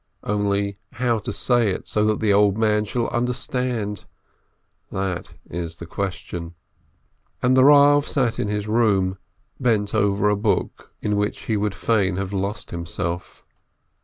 Only how to say it so that the old man shall understand ? That is the question. And the Eav sat in his room, bent over a book in which he would fain have lost himself.